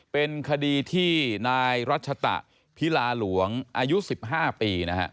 เป็นคดีที่นายรัชตะพิลาหลวงอายุ๑๕ปีนะฮะ